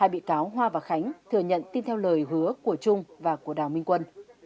hai bị cáo hoa và khánh thừa nhận tin theo lời hứa của trung và của đào minh quân